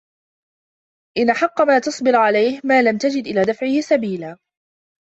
إنَّ أَحَقَّ مَا تَصْبِرُ عَلَيْهِ مَا لَمْ تَجِدْ إلَى دَفْعِهِ سَبِيلًا